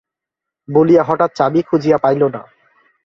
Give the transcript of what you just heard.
বলিয়া হঠাৎ চাবি খুঁজিয়া পাইল না।